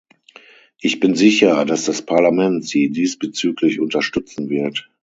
Ich bin sicher, dass das Parlament sie diesbezüglich unterstützen wird.